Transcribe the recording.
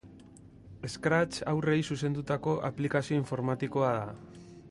Scratch haurrei zuzendutako aplikazio informatikoa da.